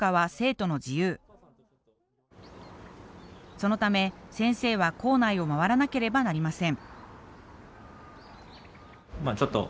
そのため先生は校内を回らなければなりません。